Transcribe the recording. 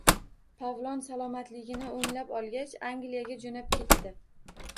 Pavlov salomatligini o‘nglab olgach, Angliyaga jo‘nab ketdi